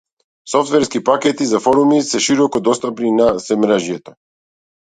Софтверски пакети за форуми се широко достапни на семрежјето.